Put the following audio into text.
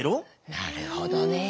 なるほどね。